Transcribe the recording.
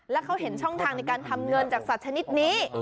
แล้วเขาเห็นช่องทางในการทำเงินจากสัตว์ชนิดนี้